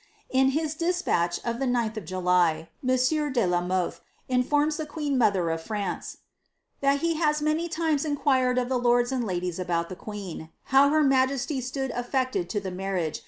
^' In his despatch of the 9th of July, monsieur de la Mothe informs the queen mother of France, ^^ that he has many times inquired of the lords and ladies about the queen, how her majesty stood affected to the mar riage